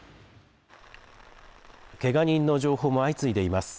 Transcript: けが人の情報も相次いでいます。